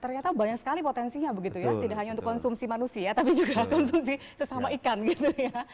ternyata banyak sekali potensinya begitu ya tidak hanya untuk konsumsi manusia tapi juga konsumsi sesama ikan gitu ya